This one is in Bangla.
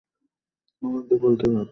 আমাদের বলতে পারতো।